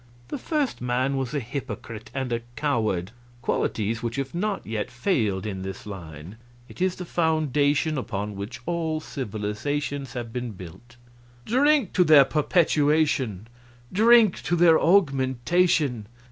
The first man was a hypocrite and a coward, qualities which have not yet failed in his line; it is the foundation upon which all civilizations have been built. Drink to their perpetuation! Drink to their augmentation!